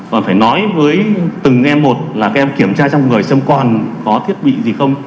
còn phải nói với từng em một là các em kiểm tra trong người xâm quan có thiết bị gì không